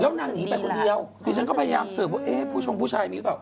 นางหนีไปคนเดียวดิฉันก็พยายามเสิร์ฟว่าเอ๊ะผู้ชงผู้ชายมีหรือเปล่า